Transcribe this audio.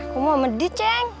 kau mau medit ceng